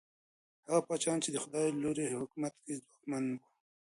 هغه پاچاهان چي د خدای له لورې حکومت کوي، ځواکمن وو.